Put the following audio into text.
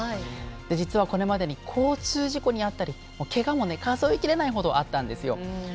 実は、これまでに交通事故に遭ったりけがも数え切れないほどあったんです。